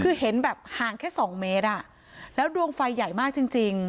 คือเห็นแบบห่างแค่สองเมตรอ่ะแล้วดวงไฟใหญ่มากจริงจริง